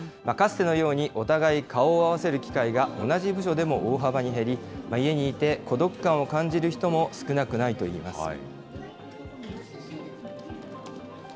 かつてのように、お互い顔を合わせる機会が同じ部署でも大幅に減り、家にいて、孤独感を感じる人も少なくないといいます。